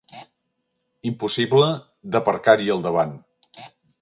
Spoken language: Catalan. Impossible d'aparcar-hi al davant.